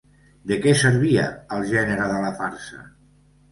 De què servia el gènere de la farsa?